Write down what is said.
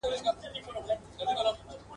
تل به غلام وي د ګاونډیانو ..